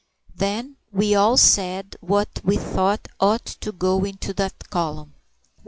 Then we all said what we thought ought to go into that column.